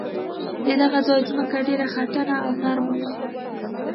د دغه ځای ځمکه ډېره خټینه او نرمه وه.